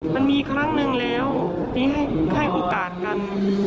มันมีครั้งหนึ่งแล้วที่ให้โอกาสกัน